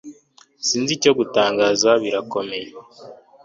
Sinzi icyo gutangaza birakomeye